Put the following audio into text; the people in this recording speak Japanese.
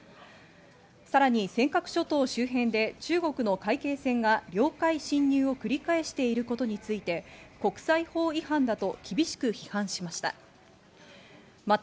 さらに尖閣諸島周辺で中国の海警船が領海侵入を繰り返していることについて国際法違反だと厳しく批判しました。